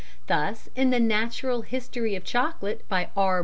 Thus in the Natural History of Chocolate, by R.